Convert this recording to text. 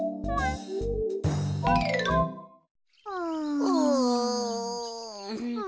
うん。